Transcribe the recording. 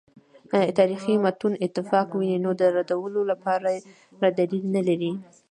تاریخي متونو اتفاق ویني نو د ردولو لپاره دلیل نه لري.